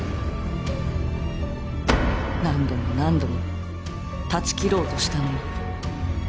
何度も何度も断ち切ろうとしたのに。